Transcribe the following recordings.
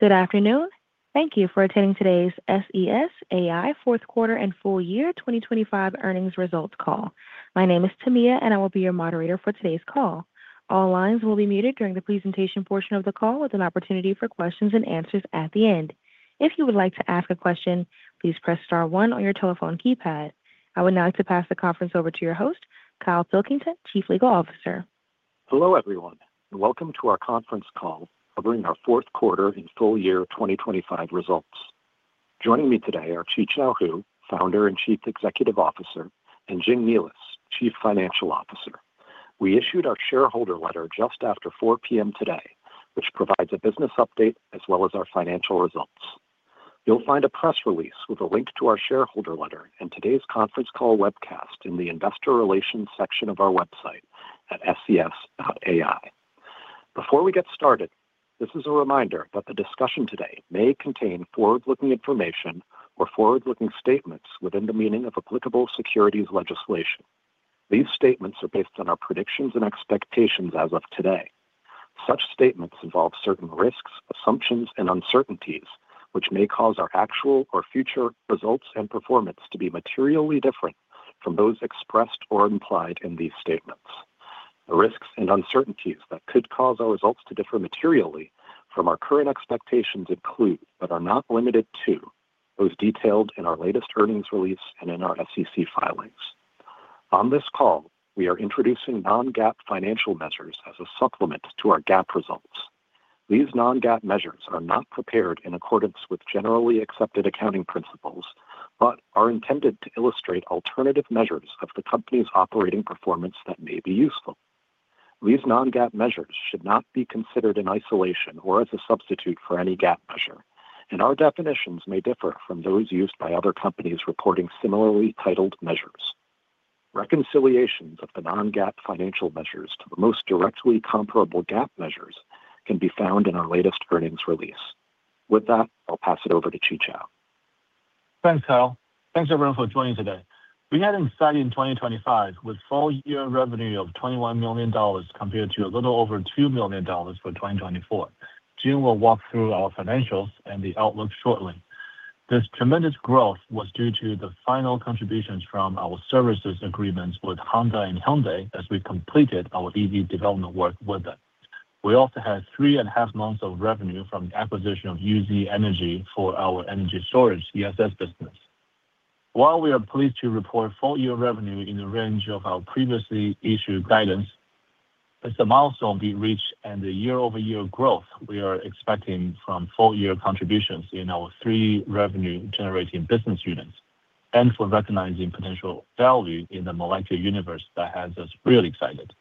Good afternoon. Thank you for attending today's SES AI fourth quarter and full year 2025 earnings results call. My name is Tamia, and I will be your moderator for today's call. All lines will be muted during the presentation portion of the call with an opportunity for questions and answers at the end. If you would like to ask a question, please press star one on your telephone keypad. I would now like to pass the conference over to your host, Kyle Pilkington, Chief Legal Officer. Hello, everyone, and welcome to our conference call covering our fourth quarter and full year 2025 results. Joining me today are Qichao Hu, Founder and Chief Executive Officer, and Jing Nealis, Chief Financial Officer. We issued our shareholder letter just after 4:00 P.M. today, which provides a business update as well as our financial results. You'll find a press release with a link to our shareholder letter in today's conference call webcast in the investor relations section of our website at ses.ai. Before we get started, this is a reminder that the discussion today may contain forward-looking information or forward-looking statements within the meaning of applicable securities legislation. These statements are based on our predictions and expectations as of today. Such statements involve certain risks, assumptions, and uncertainties which may cause our actual or future results and performance to be materially different from those expressed or implied in these statements. The risks and uncertainties that could cause our results to differ materially from our current expectations include, but are not limited to, those detailed in our latest earnings release and in our SEC filings. On this call, we are introducing non-GAAP financial measures as a supplement to our GAAP resultsThese non-GAAP measures are not prepared in accordance with generally accepted accounting principles, but are intended to illustrate alternative measures of the company's operating performance that may be useful. These non-GAAP measures should not be considered in isolation or as a substitute for any GAAP measure, and our definitions may differ from those used by other companies reporting similarly titled measures. Reconciliations of the non-GAAP financial measures to the most directly comparable GAAP measures can be found in our latest earnings release. With that, I'll pass it over to Qichao. Thanks, Kyle. Thanks, everyone, for joining today. We had a study in 2025 with full year revenue of $21 million compared to a little over $2 million for 2024. Gene will walk through our financials and the outlook shortly. This tremendous growth was due to the final contributions from our services agreements with Honda and Hyundai as we completed our EV development work with them. We also had three and a half months of revenue from the acquisition of UZ Energy for our energy storage ESS business. While we are pleased to report full year revenue in the range of our previously issued guidance, it's a milestone we reached and the year-over-year growth we are expecting from full year contributions in our three revenue-generating business units and for recognizing potential value in the Molecular Universe that has us really excited.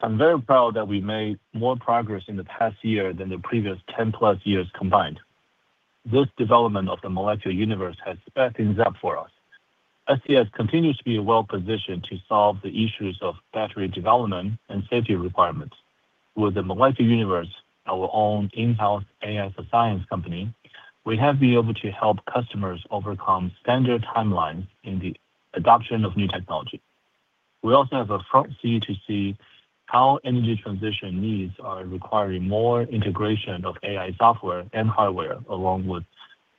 I'm very proud that we made more progress in the past year than the previous 10-plus years combined. This development of the Molecular Universe has sped things up for us. SES continues to be well-positioned to solve the issues of battery development and safety requirements. With the Molecular Universe, our own in-house AI for science company, we have been able to help customers overcome standard timelines in the adoption of new technology. We also have a front seat to see how energy transition needs are requiring more integration of AI software and hardware, along with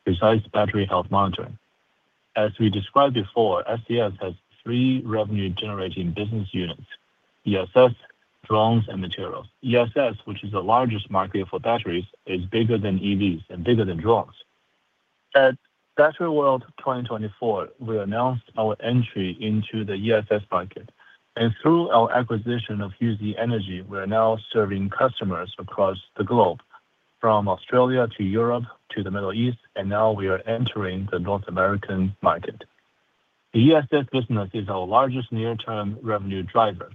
precise battery health monitoring. As we described before, SES has three revenue-generating business units: ESS, drones, and materials. ESS, which is the largest market for batteries, is bigger than EVs and bigger than drones. At Battery World 2024, we announced our entry into the ESS market. Through our acquisition of UZ Energy, we are now serving customers across the globe, from Australia to Europe to the Middle East, and now we are entering the North American market. The ESS business is our largest near-term revenue driver.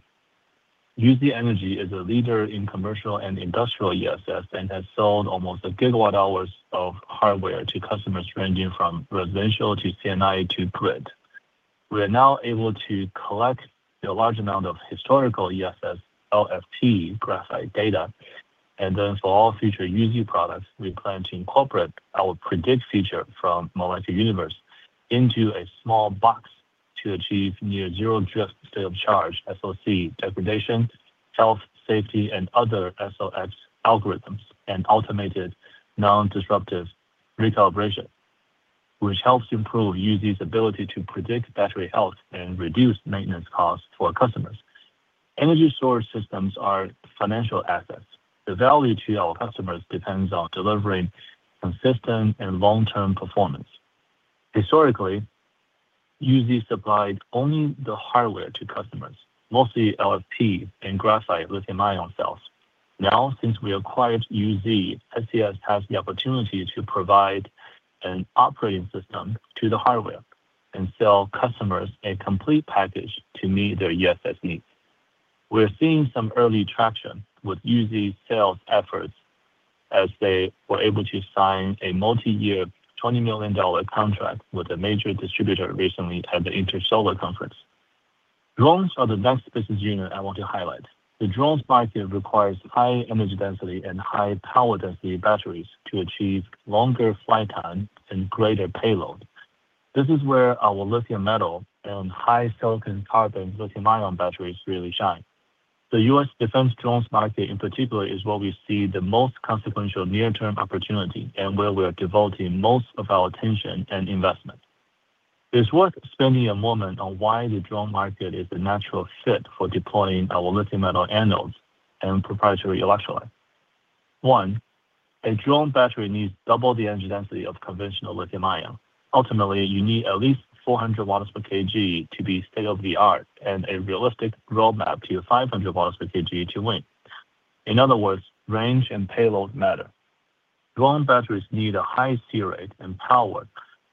UZ Energy is a leader in commercial and industrial ESS, and has sold almost a gigawatt hours of hardware to customers ranging from residential to C&I to grid. We are now able to collect a large amount of historical ESS LFP graphite data, and then for all future UZ products, we plan to incorporate our Predict feature from Molecular Universe into a small box to achieve near zero drift state of charge, SOC degradation, health, safety, and other SoX algorithms, and automated non-disruptive recalibration, which helps improve UZ's ability to Predict battery health and reduce maintenance costs for customers. Energy source systems are financial assets. The value to our customers depends on delivering consistent and long-term performance. Historically, UZ supplied only the hardware to customers, mostly LFP and graphite lithium-ion cells. Now, since we acquired UZ, SES has the opportunity to provide an operating system to the hardware and sell customers a complete package to meet their ESS needs. We're seeing some early traction with UZ sales efforts as they were able to sign a multi-year $20 million contract with a major distributor recently at the Intersolar conference. Drones are the next business unit I want to highlight. The drones market requires high energy density and high power density batteries to achieve longer flight time and greater payload. This is where our lithium metal and high silicon-carbon lithium-ion batteries really shine. The U.S. defense drones market in particular is where we see the most consequential near-term opportunity and where we are devoting most of our attention and investment. It's worth spending a moment on why the drone market is a natural fit for deploying our lithium metal anodes and proprietary electrolyte. One, a drone battery needs 2x the energy density of conventional lithium-ion. Ultimately, you need at least 400 watts per kg to be state-of-the-art and a realistic roadmap to 500 watts per kg to win. In other words, range and payload matter. Drone batteries need a high C-rate and power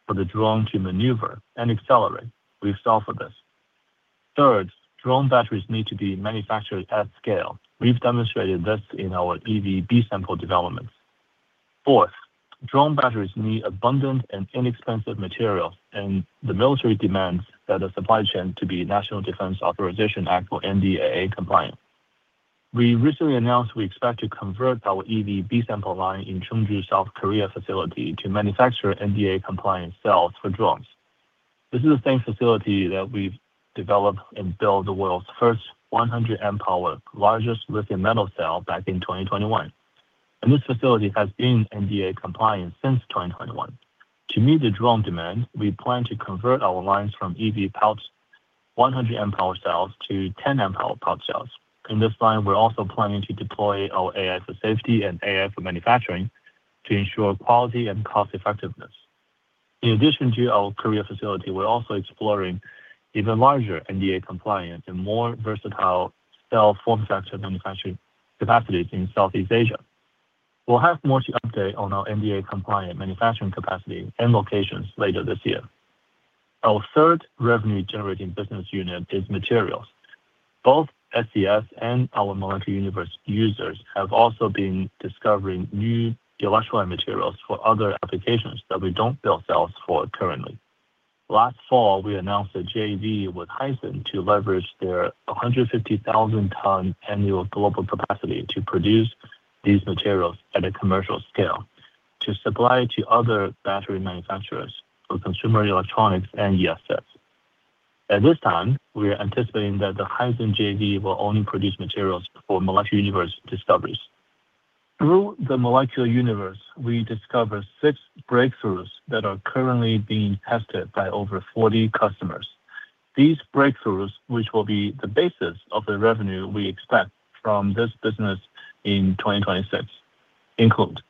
for the drone to maneuver and accelerate. We've solved for this. Third, drone batteries need to be manufactured at scale. We've demonstrated this in our EV B-sample developments. Fourth, drone batteries need abundant and inexpensive materials, and the military demands that the supply chain to be National Defense Authorization Act or NDAA compliant. We recently announced we expect to convert our EV B-sample line in Chungju South Korea facility to manufacture NDAA-compliant cells for drones. This is the same facility that we've developed and built the world's first 100 amp-hour largest lithium metal cell back in 2021. This facility has been NDAA compliant since 2021. To meet the drone demand, we plan to convert our lines from EV pouch 100 amp-hour cells to 10 amp-hour pouch cells. In this line, we're also planning to deploy our AI for safety and AI for manufacturing to ensure quality and cost-effectiveness. In addition to our Korea facility, we're also exploring even larger NDAA compliant and more versatile cell form factor manufacturing capacities in Southeast Asia. We'll have more to update on our NDAA compliant manufacturing capacity and locations later this year. Our third revenue-generating business unit is materials. Both SES and our Molecular Universe users have also been discovering new electrolyte materials for other applications that we don't build cells for currently. Last fall, we announced a JV with Hyzon to leverage their 150,000 ton annual global capacity to produce these materials at a commercial scale to supply to other battery manufacturers for consumer electronics and ESS. At this time, we are anticipating that the Hyzon JV will only produce materials for Molecular Universe discoveries. Through the Molecular Universe, we discover 6 breakthroughs that are currently being tested by over 40 customers. These breakthroughs, which will be the basis of the revenue we expect from this business in 2026, include: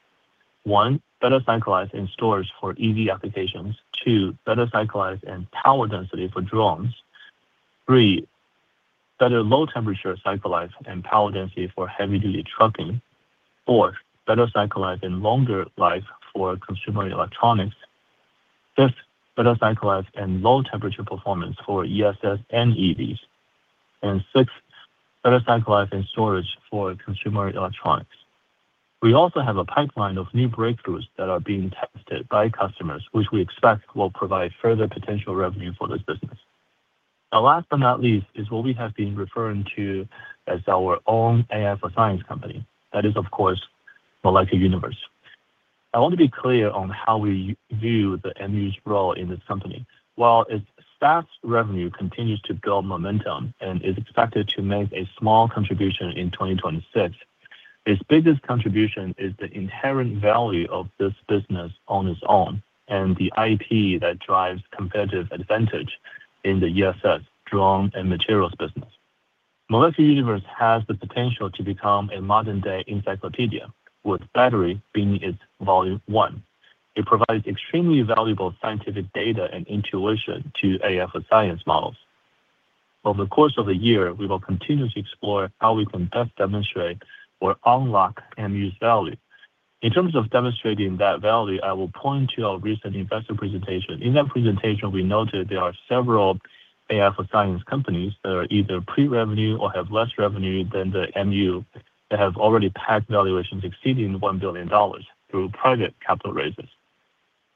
1, better cycle life and storage for EV applications. 2, better cycle life and power density for drones. 3, better low-temperature cycle life and power density for heavy-duty trucking. 4, better cycle life and longer life for consumer electronics. Fifth, better cycle life and low-temperature performance for ESS and EVs. Sixth, better cycle life and storage for consumer electronics. We also have a pipeline of new breakthroughs that are being tested by customers, which we expect will provide further potential revenue for this business. Last but not least is what we have been referring to as our own AI for science company. That is, of course, Molecular Universe. I want to be clear on how we view the MU's role in this company. While its SaaS revenue continues to build momentum and is expected to make a small contribution in 2026, its biggest contribution is the inherent value of this business on its own and the IP that drives competitive advantage in the ESS, drone, and materials business. Molecular Universe has the potential to become a modern-day encyclopedia, with battery being its volume one. It provides extremely valuable scientific data and intuition to AI for science models. Over the course of the year, we will continue to explore how we can best demonstrate or unlock MU's value. In terms of demonstrating that value, I will point to our recent investor presentation. In that presentation, we noted there are several AI for science companies that are either pre-revenue or have less revenue than the MU that have already tagged valuations exceeding $1 billion through private capital raises.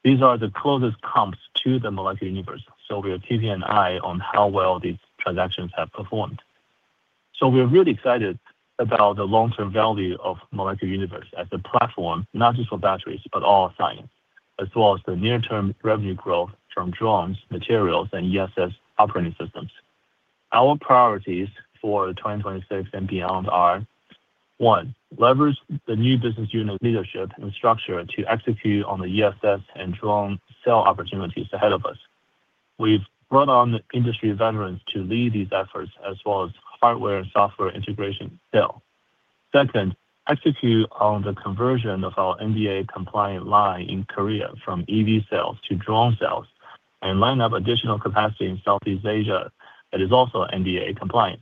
These are the closest comps to the Molecular Universe. We are keeping an eye on how well these transactions have performed. We're really excited about the long-term value of Molecular Universe as a platform, not just for batteries, but all science. As well as the near-term revenue growth from drones, materials, and ESS operating systems. Our priorities for 2026 and beyond are, 1, leverage the new business unit leadership and structure to execute on the ESS and drone cell opportunities ahead of us. We've brought on industry veterans to lead these efforts as well as hardware and software integration still. Second, execute on the conversion of our NDAA-compliant line in Korea from EV cells to drone cells and line up additional capacity in Southeast Asia that is also NDAA compliant.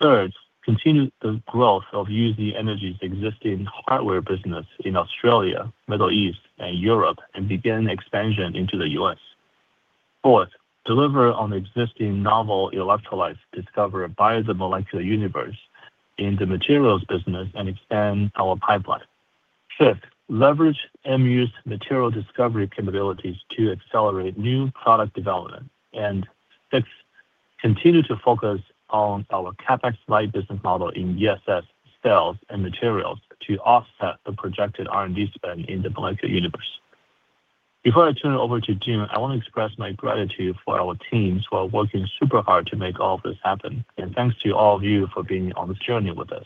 Third, continue the growth of UZ Energy's existing hardware business in Australia, Middle East, and Europe, and begin expansion into the US. Fourth, deliver on existing novel electrolytes discovered by the Molecular Universe in the materials business and expand our pipeline. Fifth, leverage MU's material discovery capabilities to accelerate new product development. Sixth, continue to focus on our CapEx-light business model in ESS cells and materials to offset the projected R&D spend in the Molecular Universe. Before I turn it over to Jing, I want to express my gratitude for our teams who are working super hard to make all of this happen. Thanks to all of you for being on this journey with us.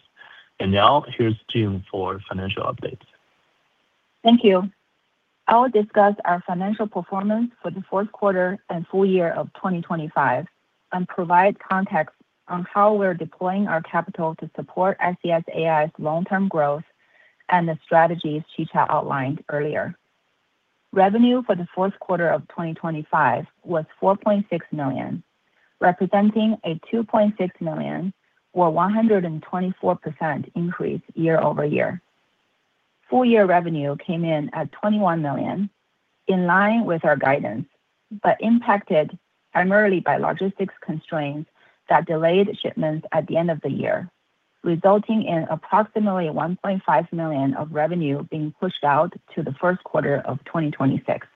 Now here's Jing for financial updates. Thank you. I will discuss our financial performance for the fourth quarter and full year of 2025 and provide context on how we're deploying our capital to support SES AI's long-term growth and the strategies Qichao outlined earlier. Revenue for the fourth quarter of 2025 was $4.6 million, representing a $2.6 million or 124% increase year-over-year. Full year revenue came in at $21 million, in line with our guidance, impacted primarily by logistics constraints that delayed shipments at the end of the year, resulting in approximately $1.5 million of revenue being pushed out to the first quarter of 2026.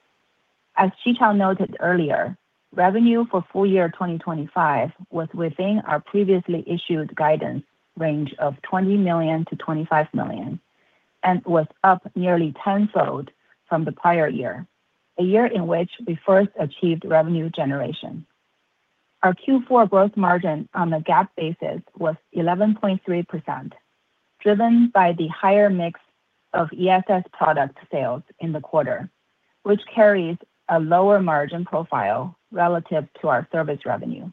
As Qichao noted earlier, revenue for full year 2025 was within our previously issued guidance range of $20 million-$25 million and was up nearly tenfold from the prior year, a year in which we first achieved revenue generation. Our Q4 gross margin on a GAAP basis was 11.3%, driven by the higher mix of ESS product sales in the quarter, which carries a lower margin profile relative to our service revenue.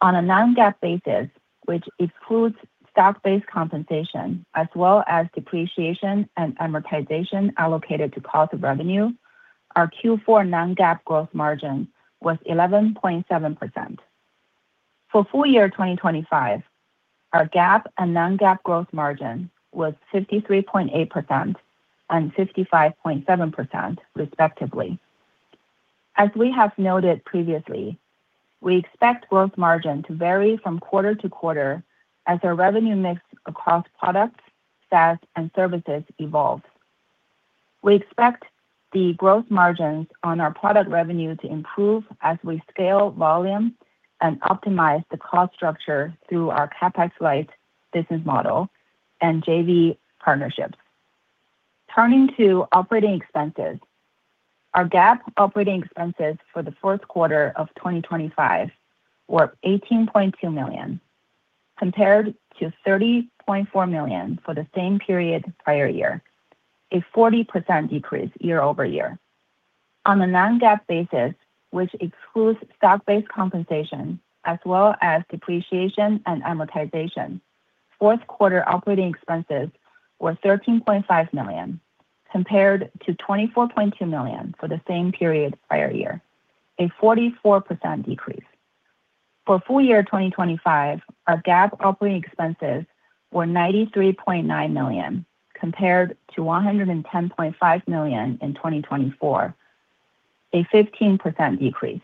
On a non-GAAP basis, which excludes stock-based compensation as well as depreciation and amortization allocated to cost of revenue, our Q4 non-GAAP gross margin was 11.7%. For full year 2025, our GAAP and non-GAAP gross margin was 53.8% and 55.7%, respectively. As we have noted previously, we expect growth margin to vary from quarter to quarter as our revenue mix across products, SaaS, and services evolves. We expect the growth margins on our product revenue to improve as we scale volume and optimize the cost structure through our CapEx-light business model and JV partnerships. Turning to operating expenses. Our GAAP operating expenses for the fourth quarter of 2025 were $18.2 million, compared to $30.4 million for the same period prior year, a 40% decrease year-over-year. On a non-GAAP basis, which excludes stock-based compensation as well as depreciation and amortization, fourth quarter operating expenses were $13.5 million, compared to $24.2 million for the same period prior year, a 44% decrease. For full year 2025, our GAAP operating expenses were $93.9 million, compared to $110.5 million in 2024, a 15% decrease.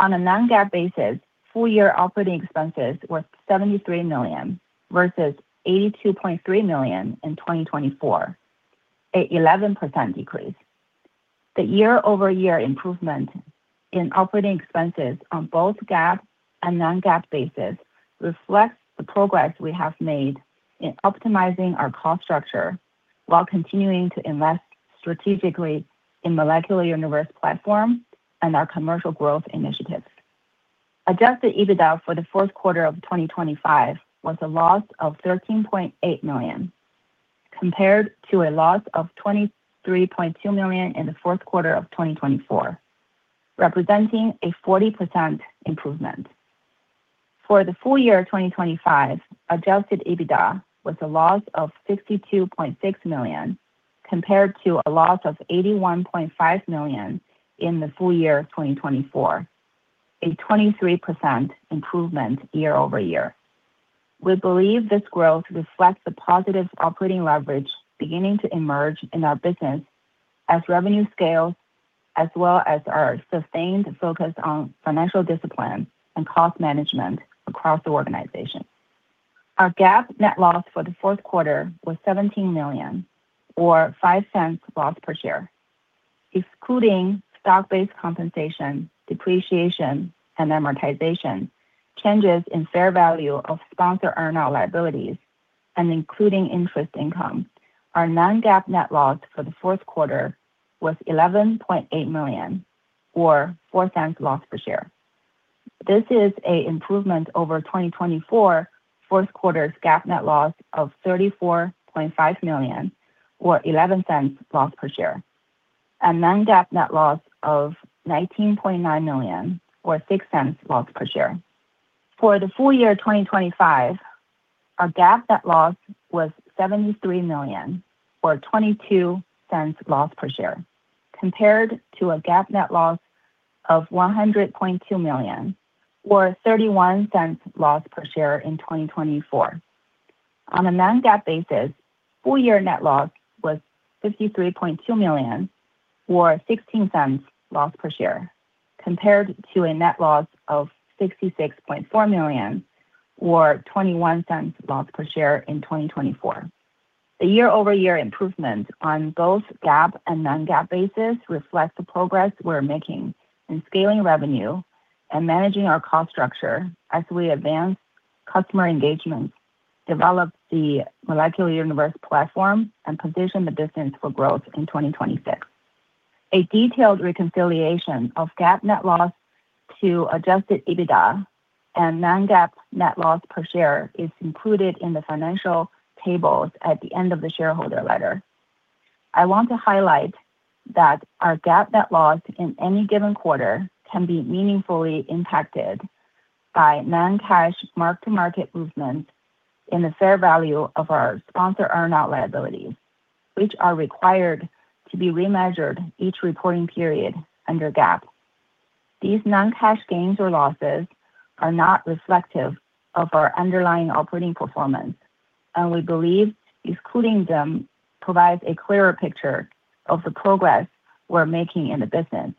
On a non-GAAP basis, full year operating expenses were $73 million versus $82.3 million in 2024, an 11% decrease. The year-over-year improvement in operating expenses on both GAAP and non-GAAP basis reflects the progress we have made in optimizing our cost structure while continuing to invest strategically in Molecular Universe platform and our commercial growth initiatives. Adjusted EBITDA for the fourth quarter of 2025 was a loss of $13.8 million, compared to a loss of $23.2 million in the fourth quarter of 2024, representing a 40% improvement. For the full year 2025, Adjusted EBITDA was a loss of $62.6 million, compared to a loss of $81.5 million in the full year of 2024, a 23% improvement year-over-year. We believe this growth reflects the positive operating leverage beginning to emerge in our business as revenue scales as well as our sustained focus on financial discipline and cost management across the organization. Our GAAP net loss for the fourth quarter was $17 million or $0.05 loss per share. Excluding stock-based compensation, depreciation, and amortization, changes in fair value of sponsor earnout liabilities and including interest income, our non-GAAP net loss for the fourth quarter was $11.8 million or $0.04 loss per share. This is a improvement over 2024 fourth quarter's GAAP net loss of $34.5 million or $0.11 loss per share, and non-GAAP net loss of $19.9 million or $0.06 loss per share. For the full year 2025, our GAAP net loss was $73 million or $0.22 loss per share, compared to a GAAP net loss of $100.2 million or $0.31 loss per share in 2024. On a non-GAAP basis, full year net loss was $53.2 million or $0.16 loss per share, compared to a net loss of $66.4 million or $0.21 loss per share in 2024. The year-over-year improvement on both GAAP and non-GAAP basis reflects the progress we're making in scaling revenue and managing our cost structure as we advance customer engagements, develop the Molecular Universe platform and position the business for growth in 2026. A detailed reconciliation of GAAP net loss to Adjusted EBITDA and non-GAAP net loss per share is included in the financial tables at the end of the shareholder letter. I want to highlight that our GAAP net loss in any given quarter can be meaningfully impacted by non-cash mark-to-market movements in the fair value of our sponsor earnout liabilities, which are required to be remeasured each reporting period under GAAP. These non-cash gains or losses are not reflective of our underlying operating performance, we believe excluding them provides a clearer picture of the progress we're making in the business.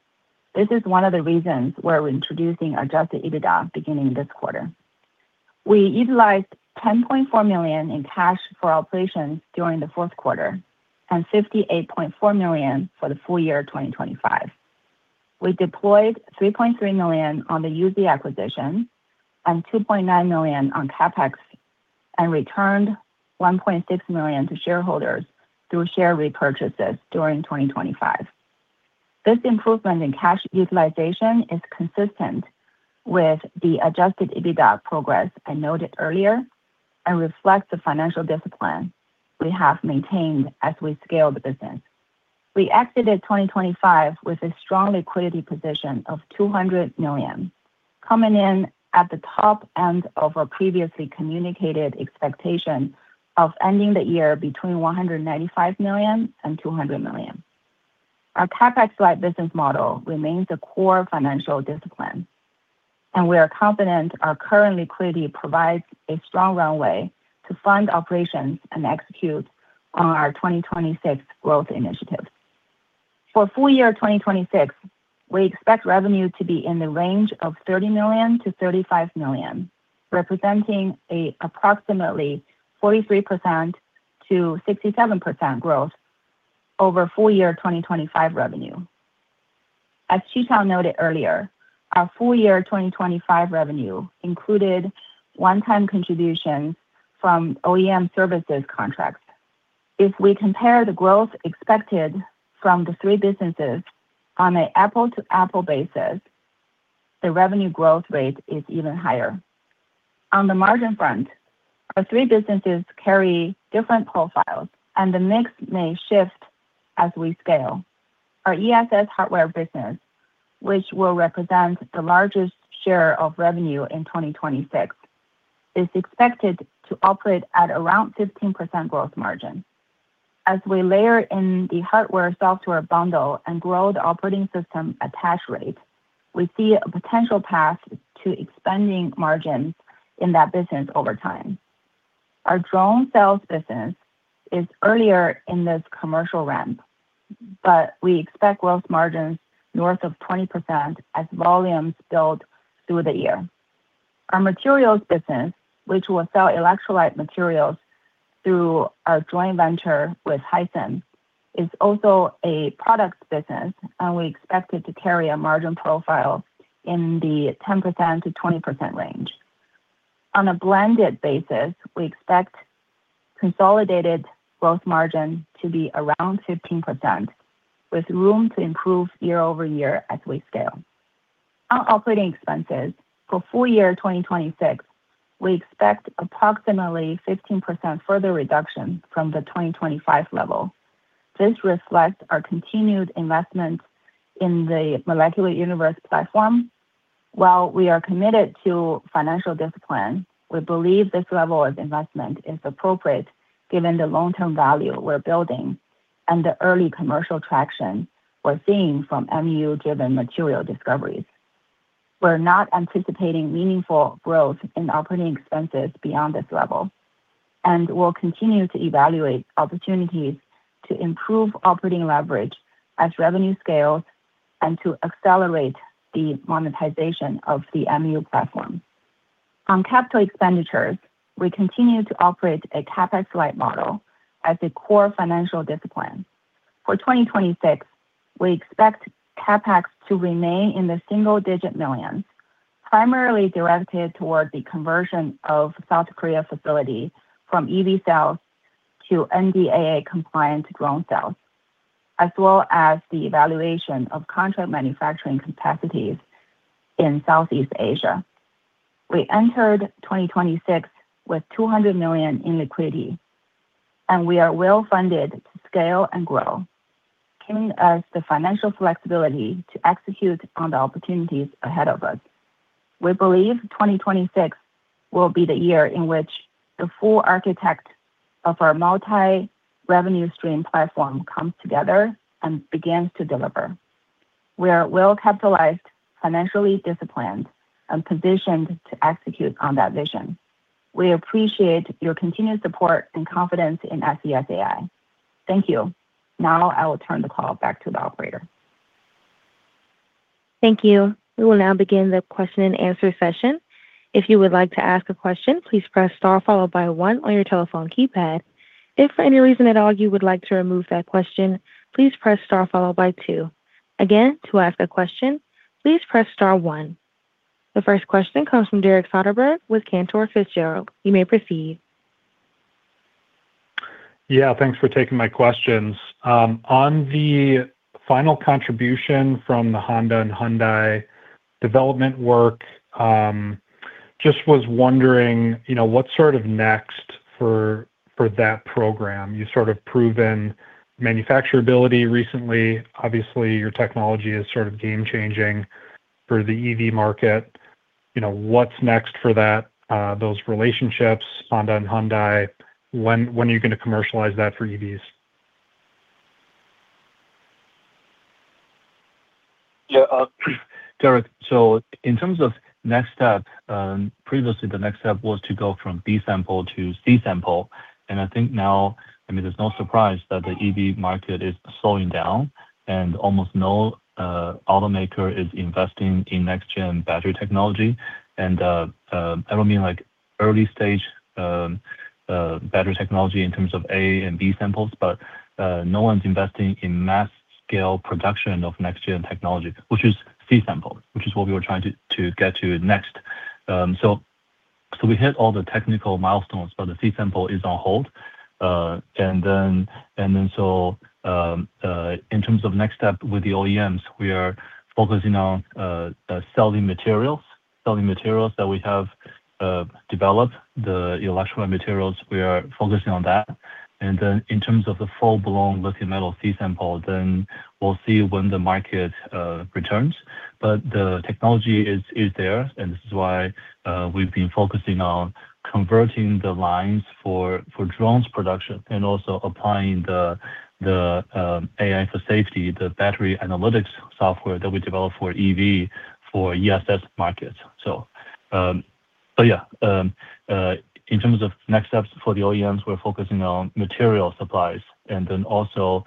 This is one of the reasons we're introducing Adjusted EBITDA beginning this quarter. We utilized $10.4 million in cash for operations during the fourth quarter and $58.4 million for the full year 2025. We deployed $3.3 million on the UZ Energy acquisition and $2.9 million on CapEx and returned $1.6 million to shareholders through share repurchases during 2025. This improvement in cash utilization is consistent with the Adjusted EBITDA progress I noted earlier and reflects the financial discipline we have maintained as we scale the business. We exited 2025 with a strong liquidity position of $200 million, coming in at the top end of our previously communicated expectation of ending the year between $195 million and $200 million. Our CapEx-light business model remains a core financial discipline, and we are confident our current liquidity provides a strong runway to fund operations and execute on our 2026 growth initiatives. For full year 2026, we expect revenue to be in the range of $30 million-$35 million, representing approximately 43%-67% growth over full year 2025 revenue. As Qichao noted earlier, our full year 2025 revenue included one-time contributions from OEM services contracts. If we compare the growth expected from the three businesses on an apple-to-apple basis, the revenue growth rate is even higher. On the margin front, our three businesses carry different profiles, and the mix may shift as we scale. Our ESS hardware business, which will represent the largest share of revenue in 2026, is expected to operate at around 15% growth margin. As we layer in the hardware-software bundle and grow the operating system attach rate, we see a potential path to expanding margins in that business over time. Our drone cells business is earlier in this commercial ramp, but we expect growth margins north of 20% as volumes build through the year. Our materials business, which will sell electrolyte materials through our joint venture with Hyzon, is also a products business, and we expect it to carry a margin profile in the 10%-20% range. On a blended basis, we expect consolidated growth margin to be around 15%, with room to improve year-over-year as we scale. Our operating expenses for full year 2026, we expect approximately 15% further reduction from the 2025 level. This reflects our continued investments in the Molecular Universe platform. While we are committed to financial discipline, we believe this level of investment is appropriate given the long-term value we're building and the early commercial traction we're seeing from MU-driven material discoveries. We're not anticipating meaningful growth in operating expenses beyond this level and will continue to evaluate opportunities to improve operating leverage as revenue scales and to accelerate the monetization of the MU platform. On capital expenditures, we continue to operate a CapEx-light model as a core financial discipline. For 2026, we expect CapEx to remain in the single-digit millions, primarily directed towards the conversion of South Korea facility from EV cells to NDAA-compliant drone cells, as well as the evaluation of contract manufacturing capacities in Southeast Asia. We entered 2026 with $200 million in liquidity. We are well-funded to scale and grow, giving us the financial flexibility to execute on the opportunities ahead of us. We believe 2026 will be the year in which the full architect of our multi-revenue stream platform comes together and begins to deliver. We are well-capitalized, financially disciplined, and positioned to execute on that vision. We appreciate your continued support and confidence in SES AI. Thank you. Now I will turn the call back to the operator. Thank you. We will now begin the question and answer session. If you would like to ask a question, please press star followed by 1 on your telephone keypad. If for any reason at all you would like to remove that question, please press star followed by 2. Again, to ask a question, please press star 1. The first question comes from Derek Soderberg with Cantor Fitzgerald. You may proceed. Yeah, thanks for taking my questions. On the final contribution from the Honda and Hyundai development work, just was wondering, you know, what's sort of next for that program? You've sort of proven manufacturability recently. Obviously, your technology is sort of game-changing for the EV market. You know, what's next for those relationships, Honda and Hyundai? When are you gonna commercialize that for EVs? Yeah, Derek, in terms of next step, previously the next step was to go from B-sample to C-sample. I think now, I mean, there's no surprise that the EV market is slowing down and almost no automaker is investing in next-gen battery technology. I don't mean like early stage battery technology in terms of A-sample and B-samples, but no one's investing in mass scale production of next-gen technology, which is C-sample, which is what we were trying to get to next. We hit all the technical milestones, but the C-sample is on hold. In terms of next step with the OEMs, we are focusing on selling materials that we have developed, the electrolyte materials, we are focusing on that. In terms of the full-blown lithium metal C-sample, we'll see when the market returns. The technology is there, and this is why we've been focusing on converting the lines for drones production and also applying the AI for safety, the battery analytics software that we developed for EV for ESS markets. In terms of next steps for the OEMs, we're focusing on material supplies also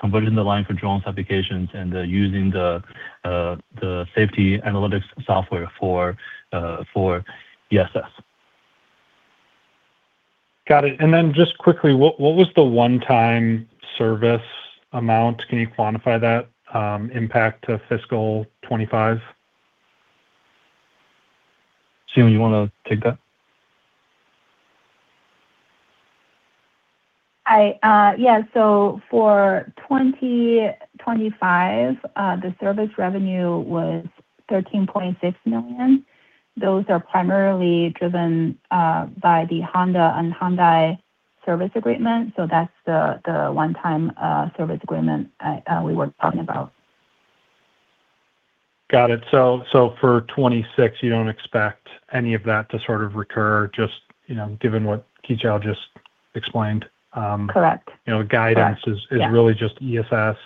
converting the line for drones applications and using the safety analytics software for ESS. Got it. Then just quickly, what was the one-time service amount? Can you quantify that impact to fiscal 25? Jing, you wanna take that? I, yeah. For 2025, the service revenue was $13.6 million. Those are primarily driven by the Honda and Hyundai service agreement. That's the one time service agreement I, we were talking about. Got it. For 26, you don't expect any of that to sort of recur, just, you know, given what Qichao just explained. Correct. You know, the guidance. Correct. Yeah ...is really just ESS,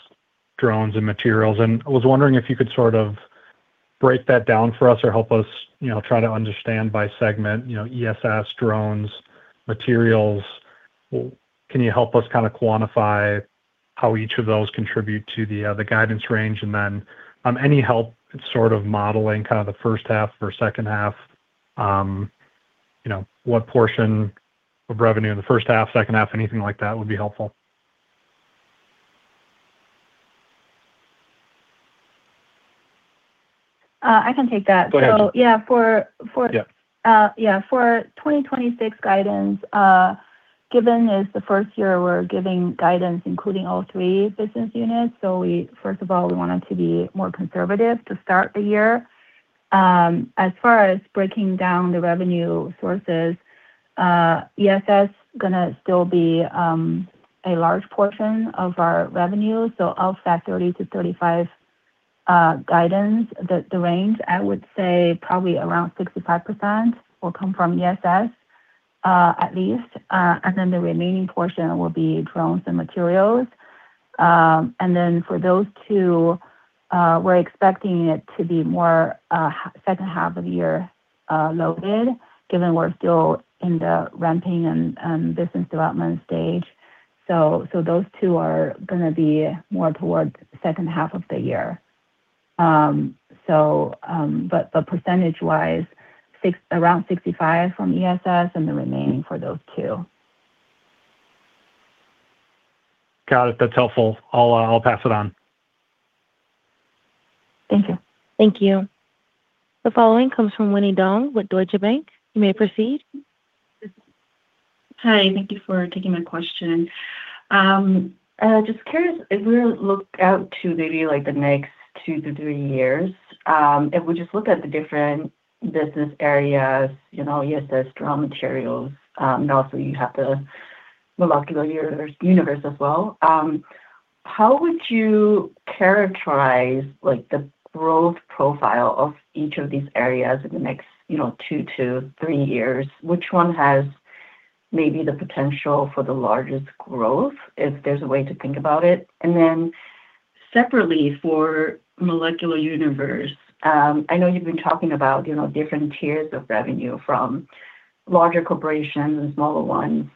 drones and materials. I was wondering if you could sort of break that down for us or help us, you know, try to understand by segment, you know, ESS, drones, materials. Can you help us kinda quantify how each of those contribute to the guidance range? Then, any help sort of modeling kinda the first half or second half, you know, what portion of revenue in the first half, second half, anything like that would be helpful. I can take that. Go ahead. Yeah, for. Yeah. For 2026 guidance, given it's the first year we're giving guidance including all three business units, we wanted to be more conservative to start the year. As far as breaking down the revenue sources, ESS gonna still be a large portion of our revenue, so of that $30 million-$35 million guidance, I would say probably around 65% will come from ESS, at least. The remaining portion will be drones and materials. For those two, we're expecting it to be more second half of the year loaded, given we're still in the ramping and business development stage. So those two are gonna be more towards second half of the year. Percentage-wise, around 65 from ESS and the remaining for those two. Got it. That's helpful. I'll pass it on. Thank you. Thank you. The following comes from Winnie Dong with Deutsche Bank. You may proceed. Hi, thank you for taking my question. Just curious, as we look out to maybe like the next two to three years, if we just look at the different business areas, you know, ESS, drone materials, and also you have the Molecular Universe as well, how would you characterize like the growth profile of each of these areas in the next, you know, two to three years? Which one has maybe the potential for the largest growth, if there's a way to think about it? Separately for Molecular Universe, I know you've been talking about, you know, different tiers of revenue from larger corporations and smaller ones.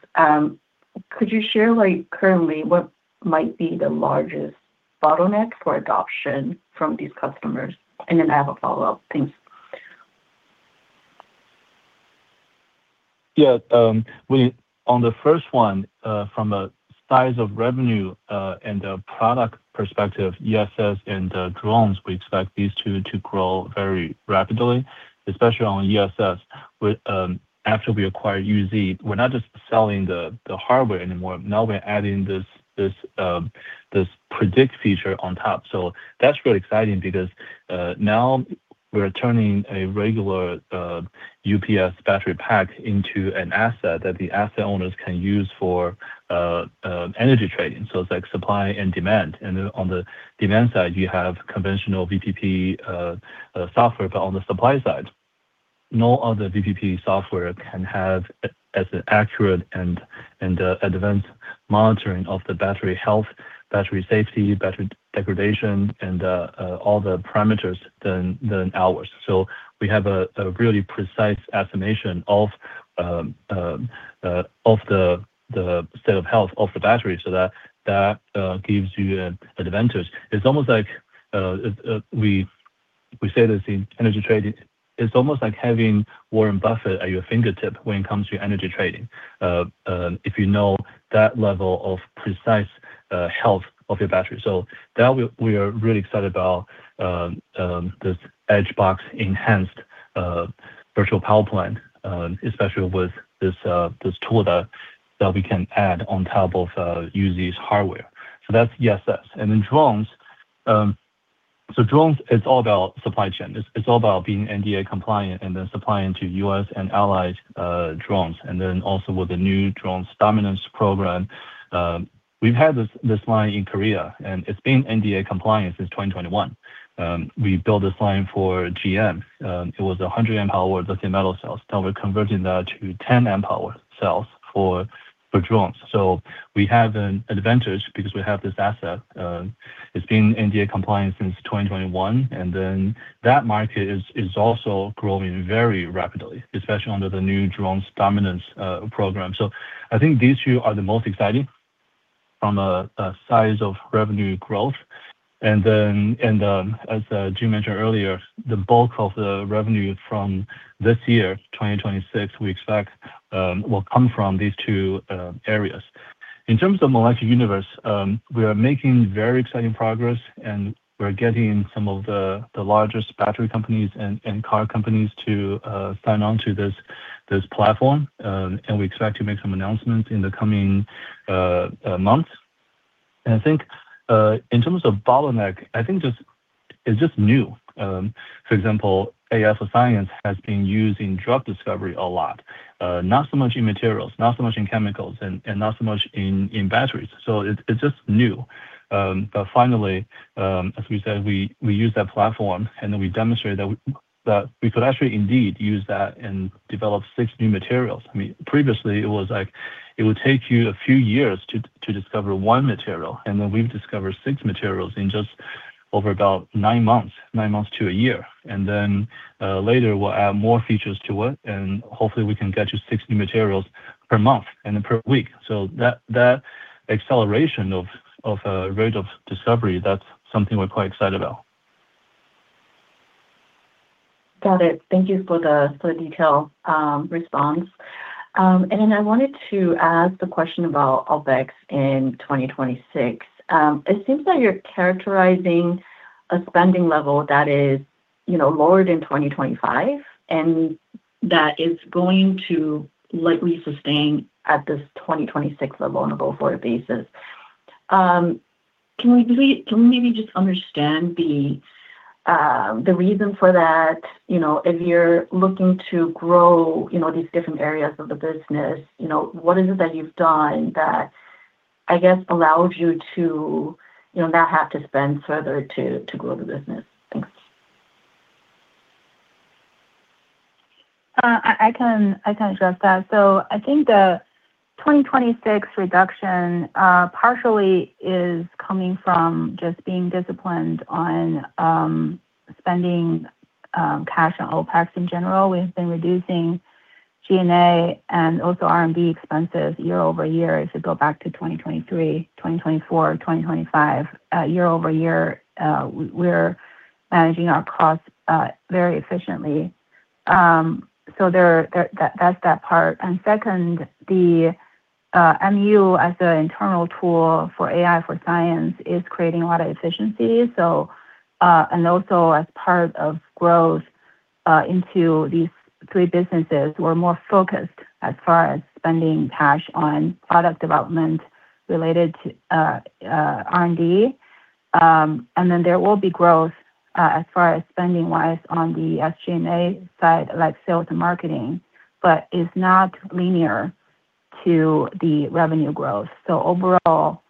Could you share like currently what might be the largest bottleneck for adoption from these customers? I have a follow-up. Thanks. Yeah. We, on the first one, from a size of revenue, and a product perspective, ESS and drones, we expect these two to grow very rapidly, especially on ESS. We're, after we acquire UZ, we're not just selling the hardware anymore. Now we're adding this Predict feature on top. That's really exciting because now we're turning a regular UPS battery pack into an asset that the asset owners can use for energy trading. It's like supply and demand. On the demand side, you have conventional VPP software, but on the supply side, no other VPP software can have as accurate and advanced monitoring of the battery health, battery safety, battery degradation, and all the parameters than ours. We have a really precise estimation of the state of health of the battery so that gives you a advantage. It's almost like we say this in energy trading, it's almost like having Warren Buffett at your fingertip when it comes to your energy trading if you know that level of precise health of your battery. We are really excited about this Edge Box enhanced virtual power plant, especially with this tool that we can add on top of UZ's hardware. That's ESS. Drones. Drones is all about supply chain. It's all about being NDA compliant and then supplying to US and allies drones. Also with the new Drone Dominance program. We've had this line in Korea. It's been NDA compliant since 2021. We built this line for GM. It was 100 amp hour lithium metal cells. Now we're converting that to 10 amp hour cells for drones. We have an advantage because we have this asset. It's been NDA compliant since 2021. That market is also growing very rapidly, especially under the new Drone Dominance program. I think these two are the most exciting from a size of revenue growth. As Jing mentioned earlier, the bulk of the revenue from this year, 2026, we expect will come from these two areas. In terms of Molecular Universe, we are making very exciting progress, and we're getting some of the largest battery companies and car companies to sign on to this platform. We expect to make some announcements in the coming months. I think, in terms of bottleneck, I think just... it's just new. For example, AI for science has been used in drug discovery a lot. Not so much in materials, not so much in chemicals, and not so much in batteries. It's just new. Finally, as we said, we use that platform, and then we demonstrate that we could actually indeed use that and develop six new materials. I mean, previously it was like it would take you a few years to discover 1 material, and then we've discovered 6 materials in just over about 9 months, 9 months to a year. Later we'll add more features to it, and hopefully we can get you 6 new materials per month and then per week. That acceleration of rate of discovery, that's something we're quite excited about. Got it. Thank you for the, for the detail response. I wanted to ask the question about OpEx in 2026. It seems like you're characterizing a spending level that is, you know, lower than 2025, and that is going to likely sustain at this 2026 level on a go-forward basis. Can we maybe just understand the reason for that? You know, if you're looking to grow, you know, these different areas of the business, you know, what is it that you've done that I guess allows you to, you know, not have to spend further to grow the business? Thanks. I can address that. I think the 2026 reduction, partially is coming from just being disciplined on spending cash on OpEx in general. We've been reducing G&A and also R&D expenses year-over-year. If you go back to 2023, 2024, 2025, year-over-year, we're managing our costs very efficiently. That's that part. Second, the MU as an internal tool for AI for science is creating a lot of efficiencies. Also as part of growth into these three businesses, we're more focused as far as spending cash on product development related to R&D. There will be growth as far as spending-wise on the SG&A side, like sales and marketing, but it's not linear to the revenue growth. Overall,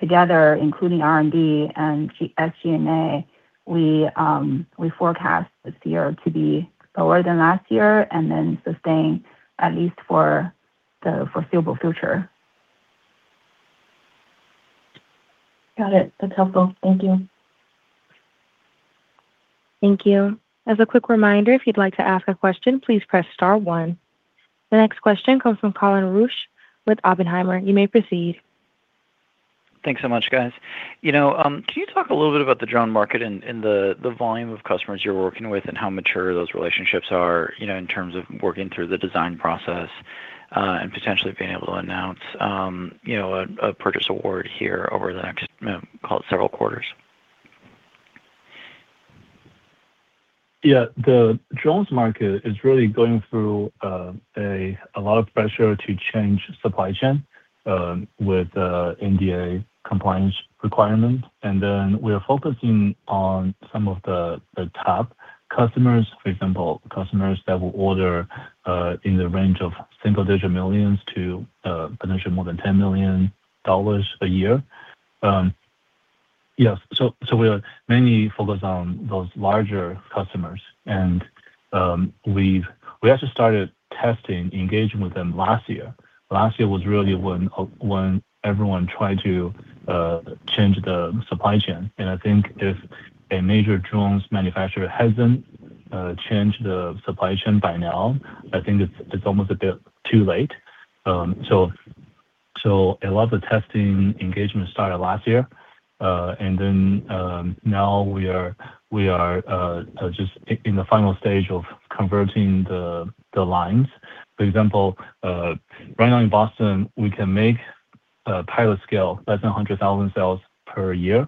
together, including R&D and SG&A, we forecast this year to be lower than last year and then sustain at least for the foreseeable future. Got it. That's helpful. Thank you. Thank you. As a quick reminder, if you'd like to ask a question, please press star one. The next question comes from Colin Rusch with Oppenheimer. You may proceed. Thanks so much, guys. You know, can you talk a little bit about the drone market and the volume of customers you're working with and how mature those relationships are, you know, in terms of working through the design process, and potentially being able to announce, you know, a purchase award here over the next, call it several quarters? Yeah. The drones market is really going through a lot of pressure to change supply chain with NDA compliance requirements. We are focusing on some of the top customers, for example, customers that will order in the range of single-digit millions to potentially more than $10 million a year. Yes, we are mainly focused on those larger customers. We actually started testing engagement with them last year. Last year was really when everyone tried to change the supply chain. I think if a major drones manufacturer hasn't changed the supply chain by now, I think it's almost a bit too late. A lot of the testing engagement started last year. Now we are in the final stage of converting the lines. For example, right now in Boston, we can make a pilot scale less than 100,000 cells per year.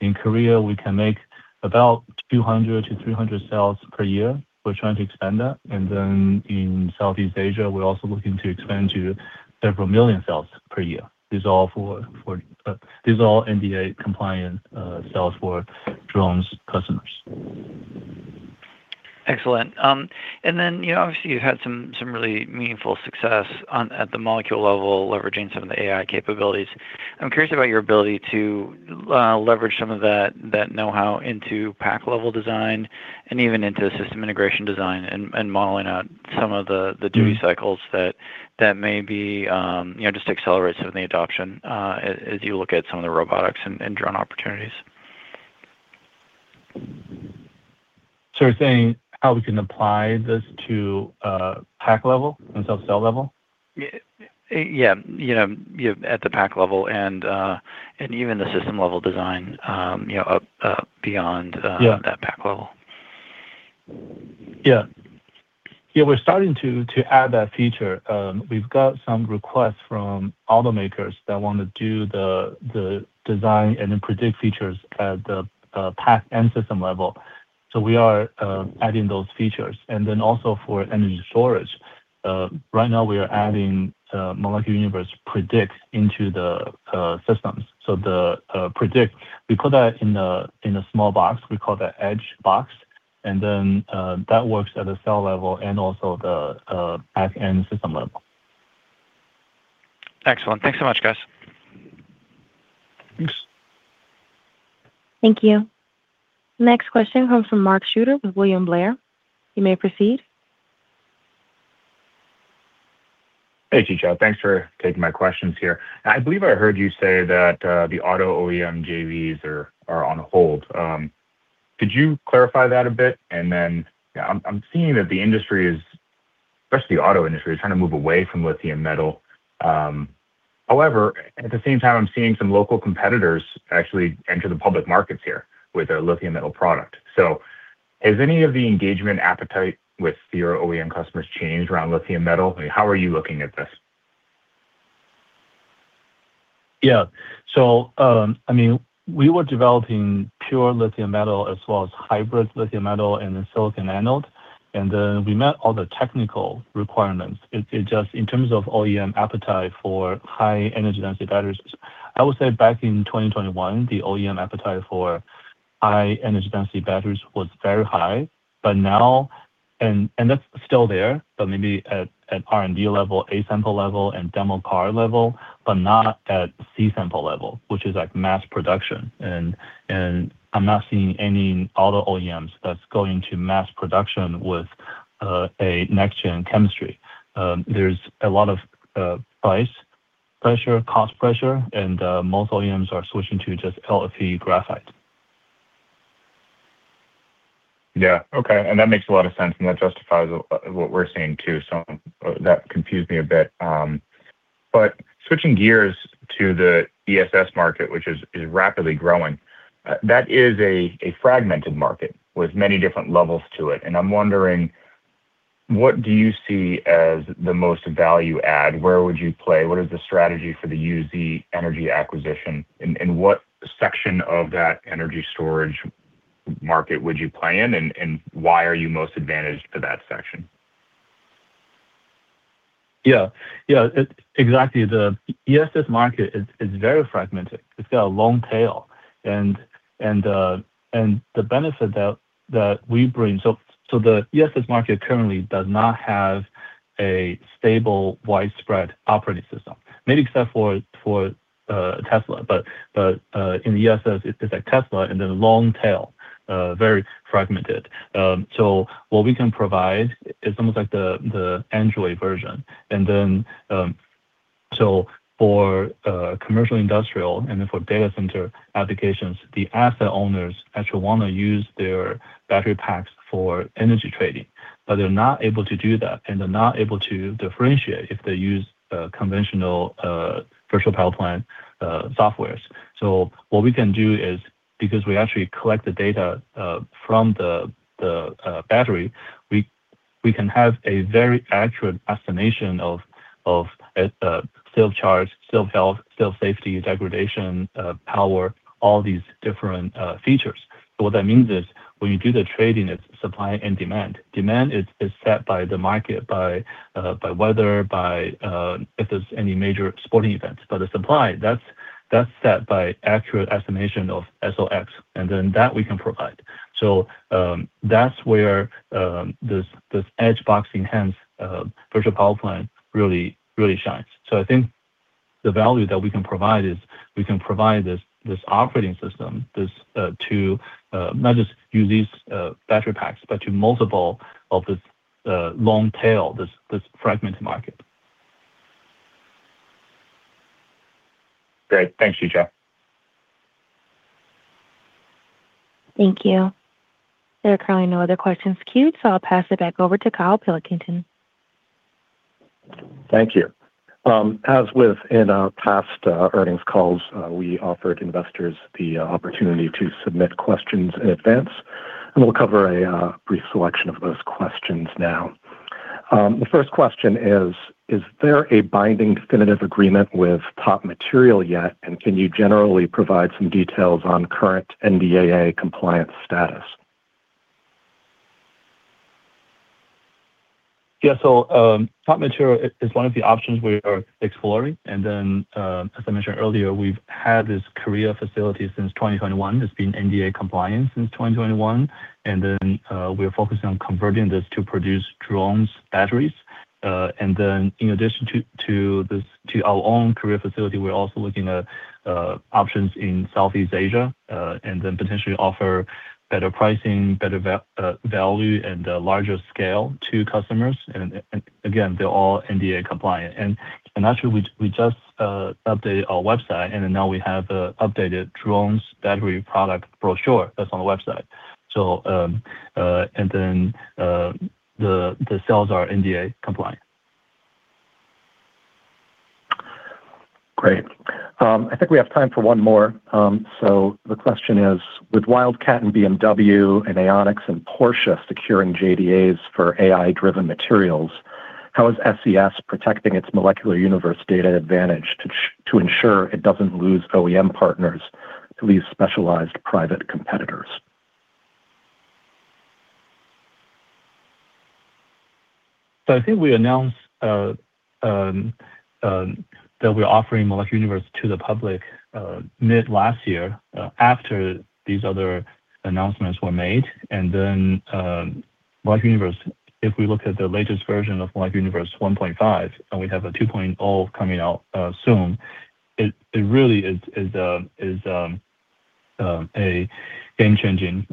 In Korea, we can make about 200-300 cells per year. We're trying to expand that. In Southeast Asia, we're also looking to expand to several million cells per year. These are all for NDA compliant cells for drones customers. Excellent. You know, obviously you've had some really meaningful success on at the molecule level, leveraging some of the AI capabilities. I'm curious about your ability to leverage some of that knowhow into pack level design and even into system integration design and modeling out some of the duty cycles that may be, you know, just accelerate some of the adoption as you look at some of the robotics and drone opportunities. You're saying how we can apply this to pack level instead of cell level? Yeah. You know, yeah, at the pack level and even the system level design, you know, beyond that pack level. Yeah. Yeah, we're starting to add that feature. We've got some requests from automakers that want to do the design and then Predict features at the pack and system level. We are adding those features. Also for energy storage, right now we are adding Molecular Universe Predict into the systems. The Predict, we put that in a small box, we call that Edge Box. That works at a cell level and also the pack and system level. Excellent. Thanks so much, guys. Thanks. Thank you. Next question comes from Mark Shooter with William Blair. You may proceed. Hey, Qichao. Thanks for taking my questions here. I believe I heard you say that the auto OEM JVs are on hold. Could you clarify that a bit? Then I'm seeing that the industry is, especially the auto industry, is trying to move away from lithium metal. At the same time I'm seeing some local competitors actually enter the public markets here with a lithium metal product. Has any of the engagement appetite with your OEM customers changed around lithium metal? How are you looking at this? I mean, we were developing pure lithium metal as well as hybrid lithium metal and then silicon anode, and then we met all the technical requirements. It just in terms of OEM appetite for high energy density batteries, I would say back in 2021, the OEM appetite for high energy density batteries was very high. Now. And that's still there, but maybe at R&D level, A-sample level, and demo car level, but not at C-sample level, which is like mass production. I'm not seeing any other OEMs that's going to mass production with a next-gen chemistry. There's a lot of price pressure, cost pressure, and most OEMs are switching to just LFP graphite. Yeah. Okay. That makes a lot of sense, and that justifies what we're seeing too, so that confused me a bit. Switching gears to the ESS market, which is rapidly growing. That is a fragmented market with many different levels to it. I'm wondering, what do you see as the most value add? Where would you play? What is the strategy for the UZ Energy acquisition? What section of that energy storage market would you play in, and why are you most advantaged to that section? Yeah. Yeah. Exactly. The ESS market is very fragmented. It's got a long tail. The benefit that we bring... The ESS market currently does not have a stable, widespread operating system, maybe except for Tesla. In ESS it's like Tesla and then long tail, very fragmented. What we can provide is almost like the Android version. For commercial, industrial, and then for data center applications, the asset owners actually wanna use their battery packs for energy trading. They're not able to do that, and they're not able to differentiate if they use conventional virtual power plant softwares. What we can do is because we actually collect the data from the battery, we can have a very accurate estimation of cell charge, cell health, cell safety, degradation, power, all these different features. What that means is when you do the trading, it's supply and demand. Demand is set by the market, by weather, by if there's any major sporting events. The supply, that's set by accurate estimation of SoX, and then that we can provide. That's where this Edge Box enhanced virtual power plant really shines. I think the value that we can provide is we can provide this operating system, this to not just use these battery packs, but to multiple of this long tail, this fragmented market. Great. Thanks, Qichao. Thank you. There are currently no other questions queued, so I'll pass it back over to Kyle Pilkington. Thank you. As with in our past earnings calls, we offer investors the opportunity to submit questions in advance. We'll cover a brief selection of those questions now. The first question is there a binding definitive agreement with Top Material yet? Can you generally provide some details on current NDAA compliance status? Top Material is one of the options we are exploring. As I mentioned earlier, we've had this Korea facility since 2021. It's been NDA compliant since 2021. We are focusing on converting this to produce drones batteries. In addition to this, to our own Korea facility, we're also looking at options in Southeast Asia, potentially offer better pricing, better value, and larger scale to customers. Again, they're all NDA compliant. Actually, we just updated our website, now we have a updated drones battery product brochure that's on the website. The cells are NDA compliant. Great. I think we have time for one more. The question is: With Wildcat and BMW and Ionics and Porsche securing JDAs for AI-driven materials, how is SES AI protecting its Molecular Universe data advantage to ensure it doesn't lose OEM partners to these specialized private competitors? I think we announced that we're offering Molecular Universe to the public mid last year after these other announcements were made. Then Molecular Universe, if we look at the latest version of Molecular Universe 1.5, and we have a 2.0 coming out soon, it really is a game-changing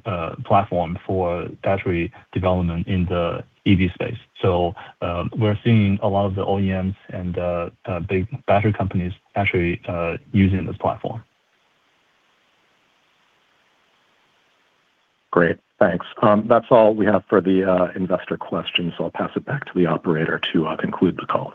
platform for battery development in the EV space. We're seeing a lot of the OEMs and big battery companies actually using this platform. Great. Thanks. That's all we have for the investor questions, so I'll pass it back to the operator to conclude the call.